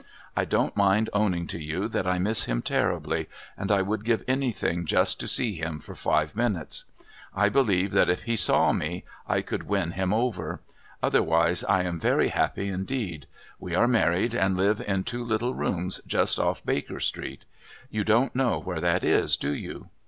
I don't mind owning to you that I miss him terribly, and I would give anything just to see him for five minutes. I believe that if he saw me I could win him over. Otherwise I am very happy indeed. We are married and live in two little rooms just off Baker Street. You don't know where that is, do you?